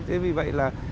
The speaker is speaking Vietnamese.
thế vì vậy là